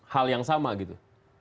hal yang sama gitu